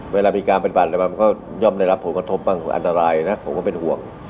เวลามีการปฏิบัติอะไรบ้างมันก็ย่อมได้รับผลกระทบบ้างอันตรายนะผมก็เป็นห่วง